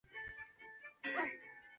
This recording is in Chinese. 帮忙用英文叫大家进去